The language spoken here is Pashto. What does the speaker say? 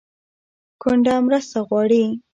کونډه مرسته غواړي